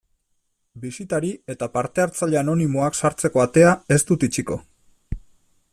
Bisitari eta parte hartzaile anonimoak sartzeko atea ez dut itxiko.